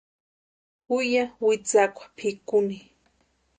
Ju ya witsakwa pʼikuni.